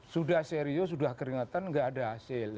sudah serius sudah keringetan nggak ada hasil